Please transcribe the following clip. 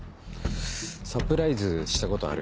サプライズしたことある？